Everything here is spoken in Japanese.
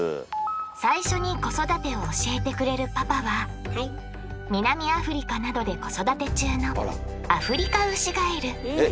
最初に子育てを教えてくれるパパは南アフリカなどで子育て中のえっ？